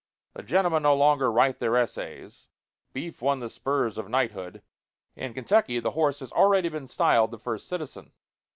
The gentlemen no longer write their essays. Beef won the spurs of knighthood. In Kentucky the horse has already been styled the first citizen.